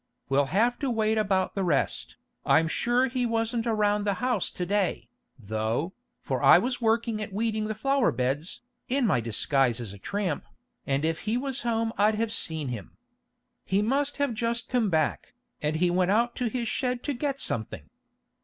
We'll have to wait about the rest, I'm sure he wasn't around the house to day, though, for I was working at weeding the flower beds, in my disguise as a tramp, and if he was home I'd have seen him. He must have just come back, and he went out to his shed to get something.